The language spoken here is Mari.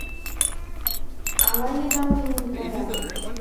Ала Йыдал лийын дворян?